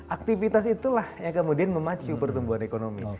aktivitas itulah yang kemudian memacu pertumbuhan ekonomi